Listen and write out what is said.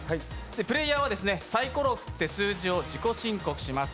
プレーヤーはさいころを振って数字を自己申告します。